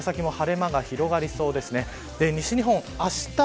西日本は、この先も晴れ間が広がりそうです。